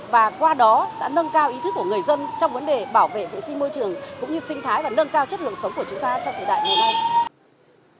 và qua đó đã nâng cao ý thức của người dân trong vấn đề bảo vệ sinh môi trường cũng như sinh thái và nâng cao chất lượng sống của chúng ta trong thời đại ngày nay